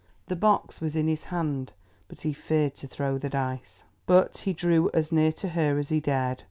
The box was in his hand, but he feared to throw the dice. But he drew as near to her as he dared.